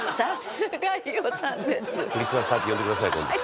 クリスマスパーティー呼んでください今度。